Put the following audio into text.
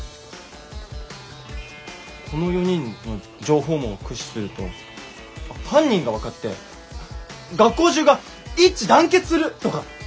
この４人の情報網を駆使すると犯人が分かって学校中が一致団結するとか。